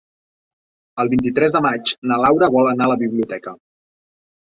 El vint-i-tres de maig na Laura vol anar a la biblioteca.